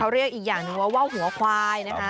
เขาเรียกอีกอย่างนึงว่าว่าวหัวควายนะครับ